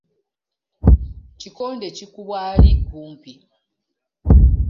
Kikonde kikubwa ali kumpi.